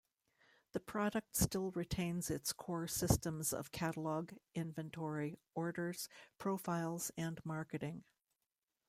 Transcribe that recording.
The product still retains its core systems of Catalog, Inventory, Orders, Profiles, and Marketing.